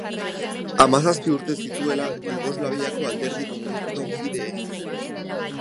Hamazazpi urte zituela, Jugoslaviako Alderdi Komunistako kide egin zen.